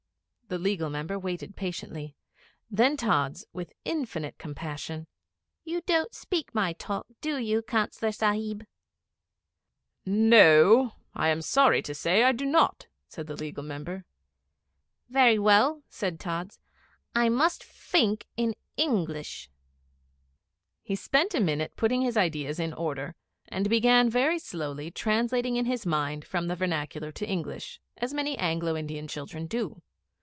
The Legal Member waited patiently. Then Tods, with infinite compassion 'You don't speak my talk, do you, Councillor Sahib?' 'No; I am sorry to say I do not,' said the Legal Member. 'Very well,' said Tods, 'I must fink in English.' He spent a minute putting his ideas in order, and began very slowly, translating in his mind from the vernacular to English, as many Anglo Indian children do.